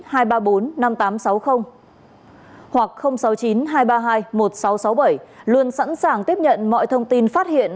hoặc sáu mươi chín hai trăm ba mươi hai một nghìn sáu trăm sáu mươi bảy luôn sẵn sàng tiếp nhận mọi thông tin phát hiện